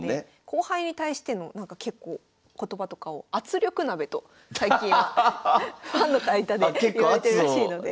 後輩に対しての結構言葉とかを「圧力ナベ」と最近はファンの間でいわれてるらしいので。